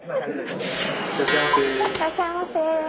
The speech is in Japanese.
いらっしゃいませ。